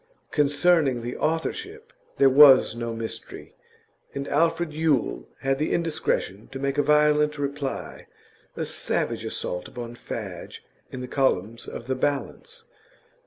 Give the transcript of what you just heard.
Concerning the authorship there was no mystery, and Alfred Yule had the indiscretion to make a violent reply, a savage assault upon Fadge, in the columns of The Balance.